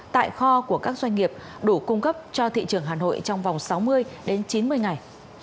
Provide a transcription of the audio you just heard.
tại kho của các doanh nghiệp đủ cung cấp cho thị trường hà nội trong vòng sáu mươi đến chín mươi ngày